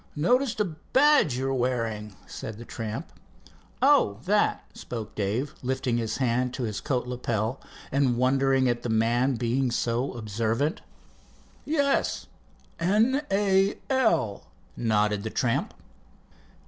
"Noticed a badge you're wearing," said the tramp. "Oh, that?" spoke Dave lifting his hand to his coat lapel, and wondering at the man been so observant. "Yes N. A. L.," nodded the tramp.